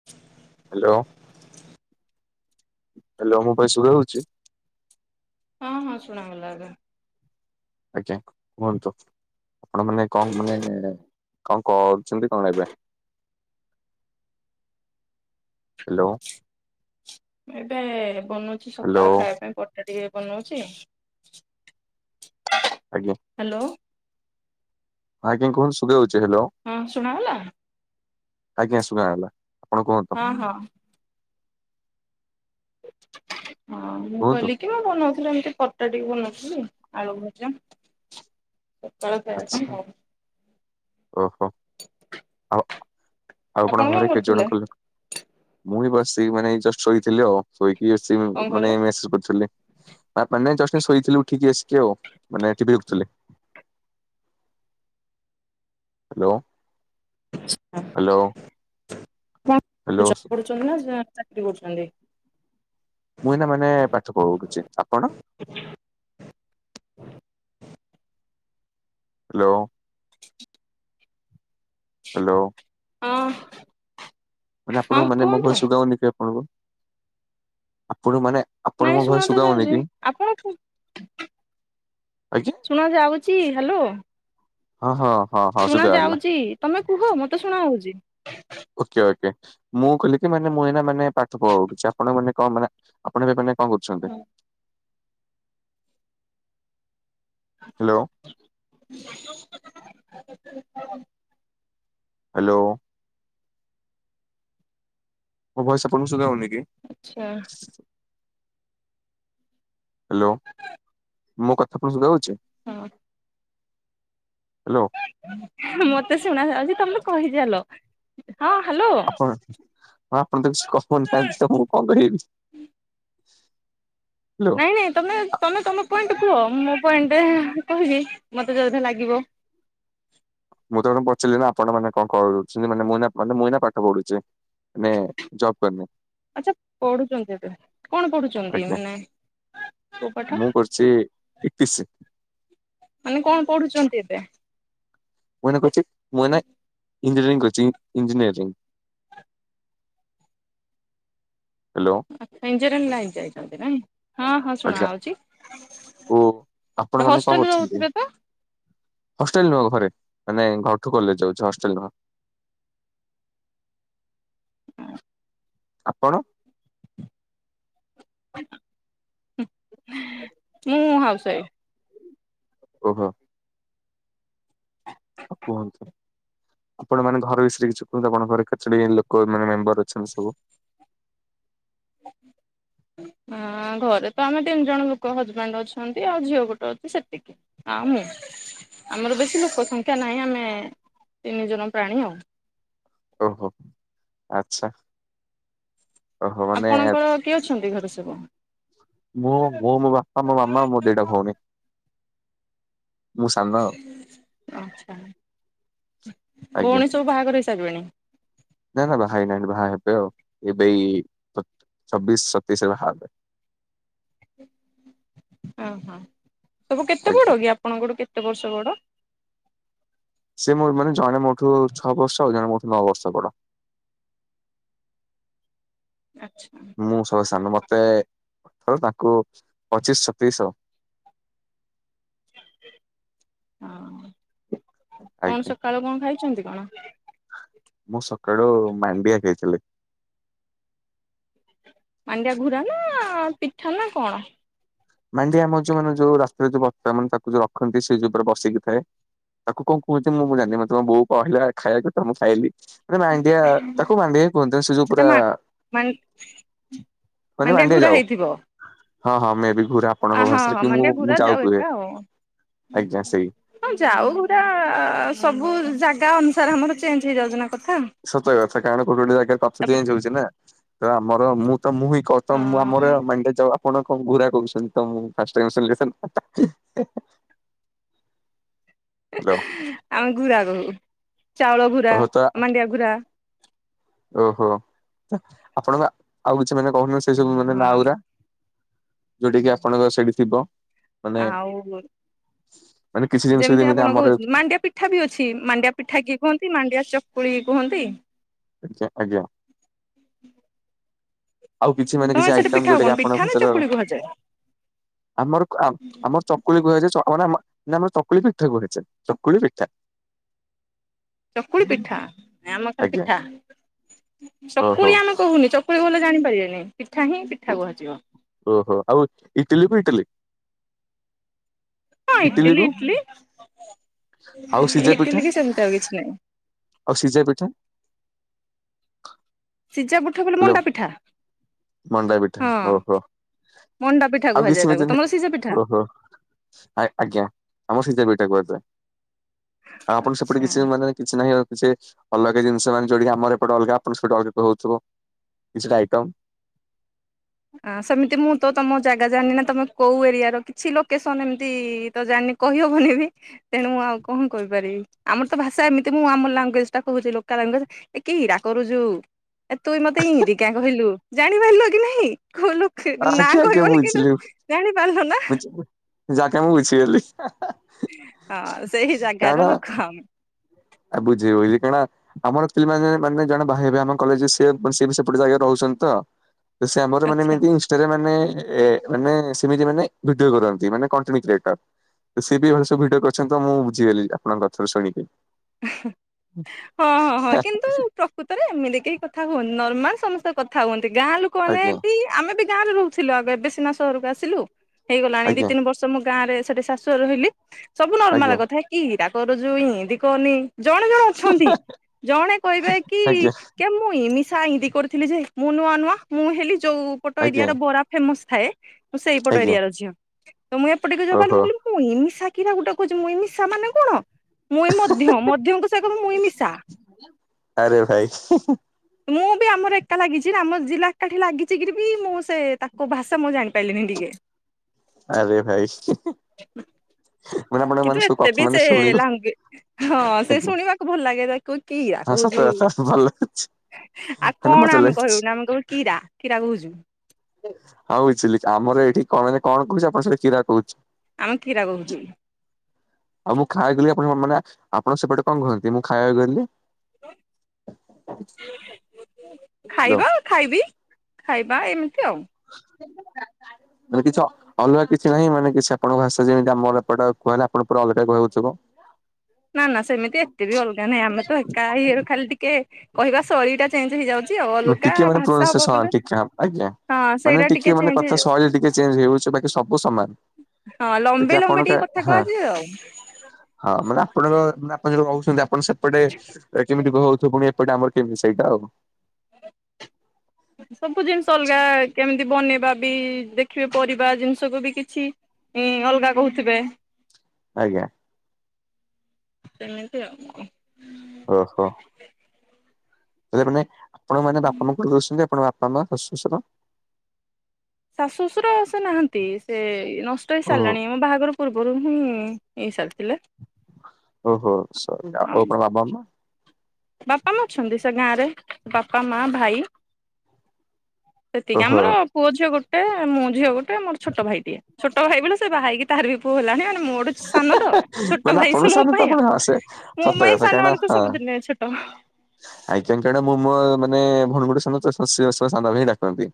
[inaudible] Hello hello voice ସୁଣାଜାଉଚି? ହଁ ହଁ ଶୁଣାଗଲା ଏବେ। ଆଚ୍ଛା କୁହନ୍ତୁ? ଆପଣ ମାନେ କଣ ମାନେ କଣ କରୁଚନ୍ତି କଣ ଏବେ? ହାଲୋ। ଏବେ ବନଉଚି ହ୍ୟାଲୋ। ସକାଳ ଖାଇବା ପାଇଁ ପର ଟା ଟିକେ ବନଉଚି। ଆଜ୍ଞା। ହାଲୋ। ଆଜ୍ଞା କୁହନ୍ତୁ ଶୁଭାଯାଉଛି ହାଲୋ। ହୁଁ ଶୁଣାଗଲା? ଆଜ୍ଞା ଶୁଣାଗଲା ଆପଣ କୁହନ୍ତୁ? ହଁ ହଁ। ହଁ ମୁଁ କୁହନ୍ତୁ କହିଲିକି ମୁଁ ବନଉଥିଲି ଏମିତି ପରଟା ଟିକେ ବନଉଥିଲି ଆଳୁ ଭଜା ସଖାଳ ଖାଇବାପାଇଁ ଆଚ୍ଛା ଆଉ। ଓହୋ ଆଉ ଆଉ ଆପଣ କଣ ଘରେ କେତେ ଜଣ କରୁଥିଲେ? କଲେ ମୁଁ ହଁ ବସ ମାନେ ଜଷ୍ଟ ଶୋଇଥିଲି ଆଉ। ଶୋଇକି ଅଛି କଣ କହିଲେ? ମାନେ ମେସେଜ କରୁଥିଲି। ପା ନାଇଁ ଜଷ୍ଟ ଶୋଇଥିଲି ଉଠିକି ଆସିକି ଆଉ। ମାନେ ଟିଭି ଦେଖୁଥିଲି। ହ୍ୟାଲୋ। ହ୍ୟାଲୋ [unintelligible] ହ୍ୟାଲୋ [unintelligible] ମୁଇଁ ନା ମାନେ ପାଠ ପଢୁଛି। ଆପଣ? ହ୍ୟାଲୋ। ହ୍ୟାଲୋ। ହଁ। ମାନେ ହଁ ଆପଣଙ୍କୁ ମାନେ ମୋ କୁହନ୍ତୁ। କଥା ଶୁଭାହଉନି କି ଆପଣଙ୍କୁ? ଆପଣଙ୍କୁ ମାନେ? ଆପଣଙ୍କ ଭଏସ ଶୁଖାଉନି କି? ଆପଣଙ୍କ ଠୁ ଆଜ୍ଞା ଶୁଣାଯାଉଛି ହ୍ୟାଲୋ। ହଁ ହଁ ହଁଁ। ଶୁଣା ଯାଉଛି ତମେ କୁହ ମତେ ଶୁଣା ହଉଛି। ଓକେ ଓକେ ମୁଁ କହିଲି ମାନେ ମୁଁ ଏୟିନା ମାନେ ପାଠ ପଢୁଛି। ଆପଣଙ୍କ ମାନେ କଣ ମାନେ ଆପଣ ଏବେ ମାନେ କଣ କରୁଛନ୍ତି? ହ୍ୟାଲୋ। [inaudible] ହ୍ୟାଲୋ। ମୋ ଭୟସ ଆପଣଙ୍କୁ ସୁଗା ହଉନି କି? ଆଚଛା। ହ୍ୟାଲୋ ମୋ କଥା ଆପଣ କୁ ସୁଗାଯାଉଛି? ହଁ ହ୍ୟାଲୋ। ମତେ ଶୁଣାଯାଉଛି, ତମେ କହିଚାଲ। ହଁ ହ୍ୟାଲୋ। କଣ ହଁ ଆପଣ ତ କିଛି କହୁନାହାନ୍ତି ତ ମୁଁ କଣ କରିବି? [inaudible] ନାଇଁ ନାଇଁ ତମେ ତମେ ତମ ପଏଣ୍ଟ କୁହ। ମୋ ପଏଣ୍ଟରେ କହିବୀ ମତେ ଜଦି ଲାଗିବ। ମୁଁ ତ କଣ ପଚିଲି ନା ଆପଣ ମାନେ କଣ କରୁଛନ୍ତି? ମାନେ ମୁଇ ମାନେ ମୁଁ ଏୟିନା ପାଠ ପଢୁଛି। ମାନେ ଜବ କରିନି। ଆଚଛା ପଢୁଛନ୍ତି ଏବେ। କଣ ପଢୁଛନ୍ତି ଆଜ୍ଞା ମାନେ? କୋଉ ପାଠ ମୁଁ କରିୁଛି ଏ ଟି ଶି। ମାନେ କଣ ପଢୁଛନ୍ତି ଏବେ? ମୁଁ ଏୟିନା କରୁଛି, ମୁଁ ଏୟିନା ଇଞ୍ଜିନିୟରିଂ କରୁଛି ଇଞ୍ଜିନିୟରିଂ। ହ୍ୟାଲୋ। ଇଞ୍ଜିନୀରିଙ୍ଗ ଲାଇନ ଯାଇଛନ୍ତି ନାଇଁ? ହଁ ହଁ ଶୁଣା ଆଜ୍ଞା। ଯାଉଛି। ଓ ଆପଣ ମାନେ କଣ ହଷ୍ଟେଲ ରେ କରୁଛନ୍ତି? ରହୁଥିବେ ତ। ହଷ୍ଟେଲ ନୁହଁ ଘରେ। ମାନେ ଘରଠୁ କଲେଜ ଯାଉଛି ହଷ୍ଟେଲ ନୁହଁ ଆପଣ? ମୁଁ ହାଉସ ୱାଇଫ। ଓହୋ। ଆଉ କୁହନ୍ତୁ? ଆପଣ ମାନେ ଘର ବିଷୟରେ କିଛି କୁହନ୍ତୁ। ଆପଣ ଘରେ କେତେ ଯଣ ଲୋକ ମାନେ ମେମ୍ବର ଅଛନ୍ତି ସବୁ? [inaudible] ଆ ଘରେ ତ ଆମେ ତିନି ଜଣ ଲୋକ ହଜବେଣ୍ଡ ଅଛନ୍ତି ଆଉ ଝିଅ ଗୋଟେ ଅଛି ସେତିକି। ଆ ମୁଁ ଆମର ବେଶୀ ଲୋକ ସଂଖ୍ୟା ନାହିଁ, ଆମେ ତିନି ଜଣ ପ୍ରାଣୀ ଆଉ। ଓହୋ ଆଚ୍ଛା। ଓହୋ ମାନେ ଆପଣଙ୍କର କିଏ ଅଛନ୍ତି ଘରେ ସବୁ? ମୁଁ, ମୋ ବାପା, ମୋ ମାମା, ମୋ ଦିଟା ଭଉଣୀ। ମୁଁ ସାନ ଆଉ ଆଛା ଆଜ୍ଞା ଭଉଣୀ ସବୁ ବାହାଘର ହେଇସାରିବେଣି? ନା ନା ବାହାହେଇ ନାହାନ୍ତି ବାହା ହେବେ ଆଉ ଏବେ ଏଇ ଛବିଶି ସତେଇଶିରେ ବାହା ହେବେ। ଓହୋ ସବୁ କେତେ ଆଜ୍ଞା। ବଡ଼ କି ଆପଣଙ୍କଠୁ କେତେ ବର୍ଷ ବଡ଼। ସେ ମ ମାନେ ଜଣେ ମୋଠୁ ଛଅ ବର୍ଷ ଆଉ ଜଣେ ମୋଠୁ ନଅ ବର୍ଷ ବଡ଼। ଆଚ୍ଛା। ମୁଁ ସଭା ସାନ ମତେ ଅଠର ତାଙ୍କୁ ପଚିଶି ଶତେଇଶି ଆଉ। ହଁ କଣ ଆଜ୍ଞା। ସକାଳୁ କଣ ଖାଇଛନ୍ତି କଣ? ମୁଁ ସକାଳୁ ମାଣ୍ଡିଆ ଖାଇଥିଲି। ମାଣ୍ଡିଆ ଘୁରା ନା ପିଠା ନା କଣ। ମଣ୍ଡିଆ ଆମ ଯୋଉ ମାନେ ଯୋଉ ରାସ୍ତାରେ ଯୋଉ ବ ମାନ ତାକୁ ଯୋଉ ରଖନ୍ତି ସେ ଯୋ ଉପରେ ବସିକିଥାଏ ତାକୁ କଣ କୁହନ୍ତି ମୁଁ ମୁଁ ଜାଣିନି ମତ ତମେ ବୋଉ କହିଲା ଖାଇବା କଥା ମୁଁ ଖାଇଲି। ମାନେ ମାଣ୍ଡିଆ ତାକୁ ମାଣ୍ଡିଆ କୁହନ୍ତି ସେ ଯୋଉ ସେଟା ପୁରା ମା ମାନ୍ ମାନେ ମାଣ୍ଡିଆ ଘୁରା ଯାଉ। ହେଇଥିବ। ହଁ ହଁ ମେ ବି ଘୁର ଆ ଆପଣଙ୍କ ହଁ ଭାଷାରେ ହଁ କି ମୁଁ ମାଣ୍ଡିଆ ଘୁରା ମୁଁ ଯାଉ କୁହେ ଏକା ଆଉ। ଆଜ୍ଞା ସେଇ ହଁ ଯାଉ ଘୁରା ସବୁ ଜାଗା ଅନୁସାରେ ଆମର ଚେଞ୍ଜ ହେଇଯାଉଚି ନା କଥା। ସତ କଥା କାରଣ ଗୋଟେ ଗୋଟେ ଜାଗାରେ କଥା ତାପରେ ଚେଞ୍ଜ ହଉଚି ନା ତ ଆମର ମୁଁ ତ ମୁହିଁ। ହଁ ବର୍ତମାନ ମୁଁ ଆମର ମାଣ୍ଡିଆ ଜାଉ ଆପଣ କଣ ଘୁରା କହୁଛନ୍ତି ତ ମୁ ଫାଷ୍ଟ ଟାଇମ୍ ଶୁଣଲି ସେମିତି କଥା ହୁ ହୁ। [inaudible] ହ୍ୟାଲୋ ଆମେ ଘୁରା କହୁ ଚାଉଳ ଘୁରା ଓହୋ ତ ମାଣ୍ଡିଆ ଘୁରା। ଓହୋ ଆପଣ ଆଉ କିଛି ମାନେ କହୁନ ସେ ସବୁ ମାନେ ହଁ ନାଁ ଉରା। ଯୋଉଠି କି ଆପଣଙ୍କର ସେଇଠି ଥିବ। ମାନେ ଆଉ ମାନେ କିଛି ଜିନିଷ ଯେମିତି ଆପଣ ଆମର କହୁଛନ୍ତି ମାଣ୍ଡିଆ ପିଠା ବି ଅଛି ମାଣ୍ଡିଆ ପିଠା କିଏ କୁହନ୍ତି ମାଣ୍ଡିଆ ଚକୁଳି କୁହନ୍ତି। ଆଚ୍ଛା ଆଜ୍ଞା। ଆଉ କିଛି ମାନେ ତମର କିଛି ସେଠି ଆଇଟମ୍ ପିଠା ଯୋଉଟା କଣ କି ପିଠା ଆପଣଙ୍କ ନା ଫସଲର ଚକୁଳି କୁହାଯାଏ? ଆମର ଆମର ଚକୁଳି କୁହାଯାଏ ନା ଆମର ଚକୁଳି ପିଠା କୁହାଯାଏ ଚକୁଳି ପିଠା। [inaudible] ଚକୁଳି ପିଠା ଆମର ଖାଲି ଆଜ୍ଞା ପିଠା ଓହୋ ଚକୁଳି ଆମ କହୁନି ଚକୁଳି କହିଲେ ଜାଣିପାରିବେନି ପିଠା ହିଁ ପିଠା କୁହାଯିବ। ଓହୋ ଆଉ ଇଟିଲି କୁ ଇଟିଲୀ। ଇଟିଲି କୁ ଆଉ ସିଝା ଇଟିଲି ପିଠା। କି ସେମିତି ଆଉ କିଛି ନାହିଁ ଆଉ ସିଝା ପିଠା। ସିଜା ପିଠା ବୋଲେ ହ୍ୟାଲୋ ମଣ୍ଡା ପିଠା। ମଣ୍ଡା ପିଠା ହଁ ଓହୋ ମଣ୍ଡା ପିଠା ଆଉ କୁହାଯାଏ କିଛି ତାକୁ ତମର ସିଝା ପିଠା ଓହୋ। ଆ ଆଜ୍ଞା ଆମର ସିଝା ପିଠା କୁହାଯାଏ ଆଉ ଆପଣ ସେପଟେ ଆଚ୍ଛା। କିଛି ମାନେ କିଛି ନାହିଁ ସେ ଅଲଗା ଜିନିଷ ମାନେ ଯୋଉଠି ଆମର ଏପଟେ ଅଲଗା ଆପଣ ସେପଟେ ଅଲଗା ହଉଥିବ। କିଛି ଟା ଆଇଟମ୍। ହଁ ସେମିତି ମୁଁ ତ ତମ ଜାଗା ଜାଣିନି ନା ତମେ କୋଉ ଏରିଆ ର କିଛି ଲୋକେସନ ଏମିତି ତ ଜାଣିନି କହି ହବନି ବି ତେଣୁ ମୁଁ ଆଉ କଣ କହିପାରିବି ଆମର ତ ଭାଷା ଏମିତି ମୁ ଆମ ଲାଙ୍ଗୁଏଜ ଟା କହୁଛି ଲୋକାଲ୍ ଲାଙ୍ଗୁଏଯ୍ ଏ ହୀରା କରୁଛୁ ଏ ତୁଇ ମତେ ଏ ନ୍ତି କିଆଁ କହିଲୁ ଜାଣି ପାରିଲୁ କି ନାଇଁ କହିଲୁ ନା ଆଜ୍ଞା ଆଜ୍ଞା କହିବନି କିନ୍ତୁ ବୁଝିଲି ଜାଣିପାରିଲ ନା। ଯାକେ ମୁଁ ବୁଝିଗଲି। ହଁ ସେଇ ଜାଗା ତ ଲୁକ ଆମେ। ଆଉ ବୁଝେଇିବ କଣା। ଆମର ପିଲମାନେ ମାନେ ଜଣେ ବାଇ ହେବେ ଆମ କଲେଜରେ ସ ବି ସେପଟେ ଜାଗାରେ ରହୁଛନ୍ତି ତ। ସେ ଆମର ମାନେ ଆଚ୍ଛା। ଏମିତି ମାନେ ମାନେ ସେମିତି ମାନେ ଭିଡିଓ କରନ୍ତି ମାନେ କଟେଣ୍ଟ କ୍ରିଏଟର। ସେ ସି ବି ଭ ସୁ ଭିଡିଓ କରିଛନ୍ତି ଆ ମୁଁ ବୁଝିଗଲି ଆପଣଙ୍କ କଥାରୁ ଶୁଣିକି। ହଁ ହଁ ହଁ କିନ୍ତୁ କୁ ତରେ ଏମିତି କେହି କଥା ହୁଅନ ନର୍ମାଲ ସମସ୍ତେ କଥା ହୁଅନ୍ତି ଗାଁ ଲୁକ ମାନେ ଆଜ୍ଞା ବି ଆମେ ବି ଗାଁ ରେ ରୋହୁଥିଲୁ [unintelligible] ଏବେ ସିନା ସହରୁକୁ ଆସିଲୁ ହେଇଗଲାଣି ଦି ଆଜ୍ଞା ତିନି ବଷ୍ [unintelligible] ଗାଁରେ ସେଠି ଶାଶୁଘରେ ରହିଲି ସବୁ ନର୍ମାଲ ଆଜ୍ଞା। କଥା କିରା କରୁଚୁ ଇନ୍ତି କରନି। ଜଣେ ଜଣେ ଅଛନ୍ତି ଜଣେ କହିବେ କି ଆଜ୍ଞା କେମ୍ ମୁଇଁ ନିଶା ଇନ୍ତି କରିଥିଲି ଯେ ମୁଁ ନୂଆ ନୂଆ ମୁଁ ହେଲି ଯୋଉ ପଟ ଏରିଆ ଆଜ୍ଞା ର ବରା ଫେମସ ଥାଏ ମୁଁ ସେଇପଟ ଆଜ୍ଞା ଏରିଆ ର ଝଅ ତ ମୁଁ ଏପ। ଓହୋ [unintelligible] ମୁଇଁ ନିଶା କୀରା ଗୁଟେ କୋହୁଚି ମୁଇଁ ନିଶା ମାନେ କଣ ମୁଁ [unintelligible] ମୁଇଁ ମିଶା। ଆରେ ଭାଇ ମୁଁ ବି ଆମର ଏକା ଲାଗିଛି ନା ଆମ ଜିଲ୍ଲା ଏକାଠି ଲାଗିଚି କିରି ବି ମୁଁ ସେ ତାଙ୍କ ଭାଷା ମୁଁ ଜାଣିପାଇଲିନି ଟିକେ। ଆରେ ଭାଇ [inaudible] ମାନେ ଆପଣ କିନ୍ତୁ ମାନେ ସବୁ ଏତେ ବି କଥା ମାନେ ସେ ଶୁଣିକି [unintelligible] ହଁ ସେ ଆଜ୍ଞା ଶୁଣିବାକୁ ଭଲ ଲାଗେ [unintelligible] [unintelligible] କିରା ହଁ ସତ କୋହୁଚୁ। କଥା ଭଲ ଲାଗୁଛି ଆଉ ମାନେ କଣ ମଜା ଆମେ ଲାଗୁଛି। କହିବୁନି ଆମେ କହିବୁ କୀରା କୀରା କୋହୁଚୁ। ହଁ ବୁଝିଲି ଆମର ଏଇଠି କ ମାନେ କଣ କୋହୁଚୁ ଆପଣଙ୍କ [unintelligible] କିରା କୋହୁଛୁ। ଆମେ କିରା କୋହୁଚୁ। ଆଉ ମୁଁ ଖାଇବାକୁ ଗଲି ଆପଣ [unintelligible] ମାନେ ଆପଣ ସେପଟେ କଁ କୁହନ୍ତି ମୁଁ ଖାଇବାକୁ ଗଲି। [unintelligible] ହାଲୋ ଖାଇବା ଖାଇବି ଖାଇବା ଏମିତି ଆଉ। [unintelligible] ମାନେ କିଛି ଅଲଗା କିଛି ନାହିଁ ମାନେ କିଛି ଆପଣଙ୍କ ଭାଷ ଯେମିତି ଆମର ଏପଟ କୁହାହେଲେ ଆପଣ [unintelligible] ଅଲଗା କୁହା ହୋଉଥୁବା। ନା ନା ସେମିତି ଏତେ ବି ଅଲଗା ନାହିଁ ଆମେ ତ ଏକା ଇଏରୁ ଖାଲି ଟିକେ କହିବା ଶୈଳୀ ଟା ଚେଞ୍ଜ ହେଇଯାଉଛି ଆଉ ଅଲଗା ଟିକେ ଭାଷା ହବ ବୋଲେ [unintelligible] ଟିକେ ଆପ୍ ଆଜ୍ଞା। ହଁ ମାନେ ସେଇଟା ଟିକେ ମାନେ ଚେଞ୍ଜ କଥା ହେଇଯାଉ ଶୈଳୀ ଟିକେ ଚେଞ୍ଜ ହେଇଯାଉଛି ବାକି ସବୁ ସମାନ। ହଁ ବାକି ଲମ୍ବେଇ ଲମ୍ବେଇ ଆପଣଙ୍କ ଟିକେ କଥା ହଁ। କୁହାଯିବ ଆଉ। ହଁ ମାନେ ଆପଣଙ୍କ ମାନେ ଆପଣ ଯୋଉ ରୋହୁଛନ୍ତି ଆପଣ ସେପଟେ କେମିତି [unintelligible] ପୁଣି ଏପଟେ ଆମର [unintelligible] ସେଇଡ଼ା ଆଉ ସବୁ ଜିନିଷ ଅଲଗା କେମିତି ବନେଇବା ବି ଦେଖିବେ ପରିବା ଜିନିଷକୁ ବି କିଛି ଇଁ ଅଲଗା କୋହୁଥୁବେ। ଆଜ୍ଞା। ସେମିତି ଆଉ। ଓହୋ। [unintelligible] ଆପଣ ମାନେ ବାପା ମା [unintelligible] ଆପଣଙ୍କ ବାପା ମା ଶାଶୁ ଶଶୁର ଶାଶୁ ଶଶୁର ସେ ନାହାନ୍ତି ସେ ନଷ୍ଟ ହେଇ ଓ ସାରିଲାଣି ମୋ ବାହାଘର ପୂର୍ବରୁ ହିଁ [unintelligible] ସାରିଥିଲେ। ଓହୋ ସରି ଆଉ [unintelligible] ବାବା ମା। ବାପା ମା ଅଛନ୍ତି ସେ ଗାଁ ରେ ବାପା ମା ଭାଇ। ଏତିକି ଓହୋ ଆମର ପୁଅ ଝିଅ ଗୋଟେ ମୁଁ ଝିଅ ଗୋଟ ମୋର ଛୋଟୋ ଭାଇ ଟିଏ ଛୋଟୋ ଭାଇ ବୋଲେ ସିଏ ବାହା ହେଇକି ତାହାରି ବି ପୁଅ ହେଲାଣି ମାନେ ମୋ ସାନ ତ ଛୋଟ ମାନେ ଭାଇ ସେ ପାଇଁ ଆପଣଙ୍କ [unintelligible] ଆଉ। ମୋ ପାଇଁ ସାନମାନେ ତ ହଁ। ସବୁଦିନେ ଛୋଟ ଆଜ୍ଞା କାରଣ ମୁଁ ମୋ ମାନେ ଭୋଉଣୀ ଗୋଟେ ସାନ [unintelligible] ଡାକନ୍ତି।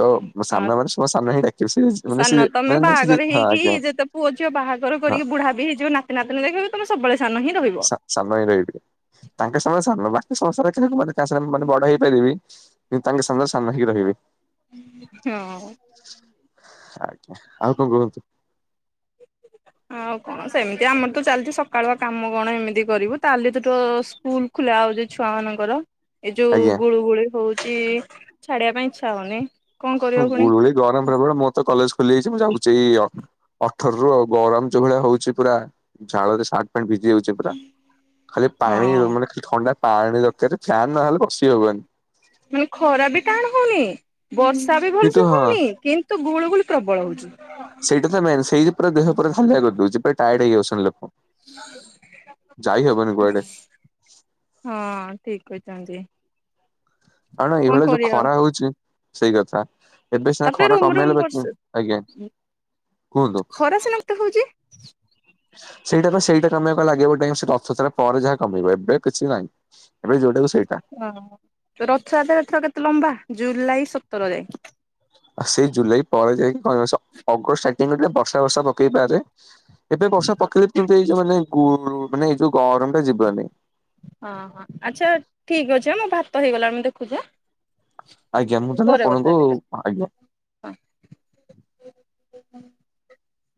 ତ ହଁ ସାନ ମାନେ ସଭା ସାନ ହିଁ ଡାକିବେ ସିଏ ଯେ ମାନେ ସାନ ସିଏ ତମେ ମାନେ ବାହାଘର [unintelligible] ହଁ ହେଇକି ଆଜ୍ଞା। ଯେତେ ପୁଅ ଝିଅ ବାହାଘର ହଁ। କରିକି ବୁଢ଼ାବି ହେଇଯିବ ନାତି ନାତୁଣୀ ଦେଖିବି [unintelligible] ତମେ ସବୁବେଳେ ସାନ ହିଁ ରହିବ। ସା ସାନ ହିଁ ରହିଥିବେ ତାଙ୍କେ ସବୁବେଳେ ସାନ ପା [unintelligible] [unintelligible] ବଡ ହେଇପାରିବି କିନ୍ତୁ ତାଙ୍କେ ସାମ୍ନାରେ ସାନ ହିଁ ରହିବେ। ହଁ। ଆଜ୍ଞା ଆଉ କଣ କୁହନ୍ତୁ। ଆଉ କଣ ସେମିତି ଆମର ତ ଚାଲିଛି ସକାଳୁଆ କାମ କଣ ଏମିତି କରିବୁ [unintelligible] ସ୍କୁଲ ଖୁଲା ହୋଉଚି ଛୁଆ ମାନଙ୍କର। ଏଇ ଯୋଉ ଆଜ୍ଞା ଗୁଳୁ ଗୁଳି ହଉଛି ଛାଡିବା ପାଇଁ ଇଚ୍ଛା ହଉନି। କଣ କରିବ ହଁ ପୁଣି। ଗୁଳୁଗୁଳି ଗରମ ହେଲା ବଳେ ମୁଁ ତ କଲେଜ ଖୋଲିଯାଇଛି ମୁଁ ଯାଉଛି ଏଇ ଅଠରରୁ ଆଉ ଗରମ ଯୋଉ ଭଳିଆ ହଉଛି ପୁରା ଝାଳରେ ସାର୍ଟ ଫ୍ୟାଣ୍ଟ ଭିଜି ଯାଉ ଛି ପୁରା ଖାଲି ପାଣି ହଁ। ମାନେ ଖାଲି ଥଣ୍ଡା ପାଣି ଦରକାରେ ଫ୍ୟାନ୍ ନହେଲେ ବସି ହବନି। ମାନେ ଖରା ବି ଟାଣ ହଉନି ବର୍ଷା ବି କିନ୍ତୁ ଭଲସେ ହଁ ହଉନି କିନ୍ ନ୍ତୁ ଗୁଳି ଗୁଳି ପ୍ରବଳ ହଉଛି। ସେଇଟା ତ ମେନ୍ ସେଇି ପା ଦେହ ପୁରା ହାଲିଆ କରିଦଉଛି ପୁରା ଟାୟାର୍ଡ ହେଇଯାଉଛନ୍ତି ଲୋକ। ଯାଇ ହବନି କୁଆଡେ ହଁ ଠିକ କହିଛନ୍ତି। କଣ ଏଇଭଳିଆ ଯୋଉ କରିବା ଆଉ ଖରା ହଉଛି ସେଇ କଥା। ଏବେ ସିନା ତାପରେ ଖରା ରୁମ ରୁମ କମେଇଲେ ବର୍ଷ ବାକି ଆଜ୍ଞା କୁହନ୍ତୁ ଖରା ସିନା ଏତେ ହଉଛି ସେଇଟା ସେଇଟା କମିବାକୁ ଲାଗିବ [unintelligible] ସେଇ ରଥ ଯାତ୍ରା ପରେ ଯାହା କମେଇବ ଏବେ କିଛି ନାହିଁ। ଏବେ ଯୋଉଟାକୁ ସେଇଟା। ଓହ ରଥଯାତ୍ରାଥର କେତେ ଲମ୍ବା ଜୁଲାଇ ସତର ଯାଇ। ଆ ସେଇ ଜୁଲାଇ ପରେ ଯାଇକି କ ସ ଅଗଷ୍ଟ ଷ୍ଟାର୍ଟିଂରେ ଟିକେ ବର୍ଷା ଫର୍ଷା ପକେଇ ପାରେ। ଏବେ ବର୍ଷା ପକେଇଲେ ବି କିନ୍ତୁ ଏଇ ଯୋଉ ମାନେ ଗୁ ମାନେ ଏଇ ଯୋଉ ଗରମ ଟା ଯିବନି। ହଁ ହଁ ଆଚ୍ଛା ଠିକ ଅଚ ମୋ ଭାତ ହେଇଗଲା ମୁଁ ଦେଖୁଛି ଆଁ। ଆଜ୍ଞା ମୁଁ ତାହେଲେ ଆପଣଙ୍କୁ ଆଜ୍ଞା